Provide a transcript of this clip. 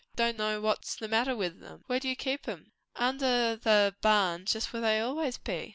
I don' know what's the matter with 'em." "Where do you keep 'em?" "Under the barn just where they always be.